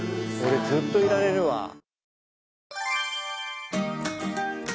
俺ずっといられるわ。